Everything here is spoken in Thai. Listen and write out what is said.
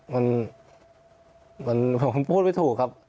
มันมันเขาพูดไม่ถูกครับ